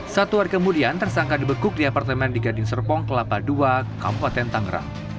satu hari kemudian tersangka dibekuk di apartemen di gading serpong kelapa ii kabupaten tangerang